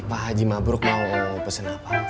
pak haji mabruk mau pesen apa